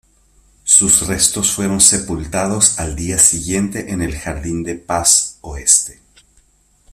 Sus restos fueron sepultados al día siguiente en el Jardín de Paz Oeste.